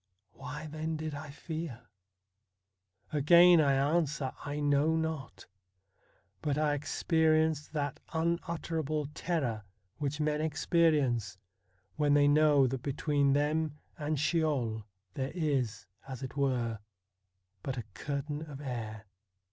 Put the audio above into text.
Why then did I fear ? Again I answer, I know not. But I experienced that unutterable terror which men experience when they know that between them and Sheol there is, as it were, but a curtain of air.